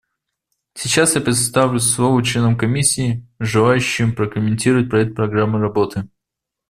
Сейчас я предоставлю слово членам Комиссии, желающим прокомментировать проект программы работы.